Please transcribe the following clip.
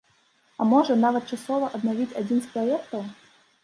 А можа, нават часова аднавіць адзін з праектаў?